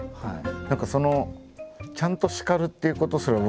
何かそのちゃんと叱るっていうことすら僕